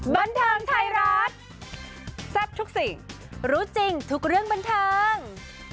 บันเทิงไทยรัฐแซ่บทุกสิ่งรู้จริงทุกเรื่องบันเทิง